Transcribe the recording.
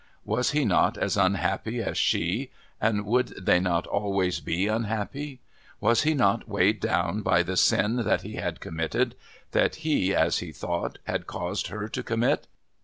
Was he not as unhappy as she, and would they not always be unhappy? Was he not weighed down by the sin that he had committed, that he, as he thought, had caused her to commit?...